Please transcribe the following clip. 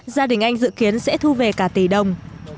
gia đình anh dự kiến sẽ thu về cả tỷ đồng